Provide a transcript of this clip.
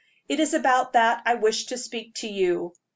"It is about that I wish to speak to you.